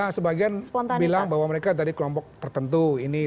ya sebagian bilang bahwa mereka dari kelompok tertentu ini